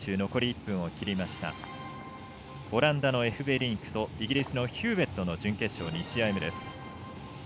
オランダのエフベリンクとイギリスのヒューウェットの準決勝２試合目です。